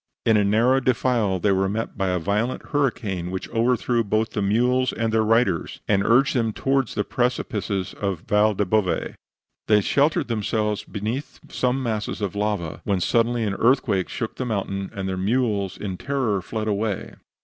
In a narrow defile they were met by a violent hurricane, which overthrew both the mules and their riders, and urged them toward the precipices of the Val del Bove. They sheltered themselves beneath some masses of lava, when suddenly an earthquake shook the mountain, and their mules in terror fled away.